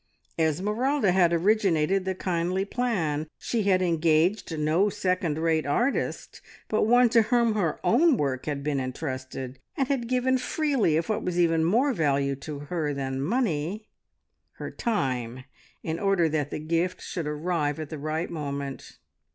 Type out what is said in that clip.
Esmeralda had originated the kindly plan; she had engaged no second rate artist, but one to whom her own work had been entrusted, and had given freely of what was even more value to her than money, her time, in order that the gift should arrive at the right moment.